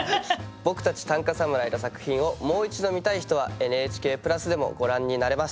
僕たち短歌侍の作品をもう一度見たい人はＮＨＫプラスでもご覧になれます。